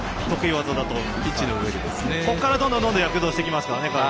ここからどんどん彼は躍動してきましたね。